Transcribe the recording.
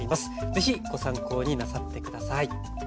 是非ご参考になさって下さい。